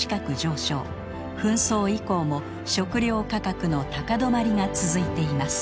紛争以降も食料価格の高止まりが続いています。